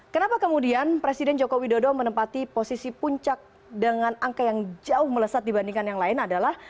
kenapa kemudian presiden joko widodo menempati posisi puncak dengan angka yang jauh melesat dibandingkan yang lain adalah